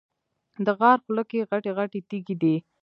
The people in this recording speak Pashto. د غار خوله کې غټې غټې تیږې دي.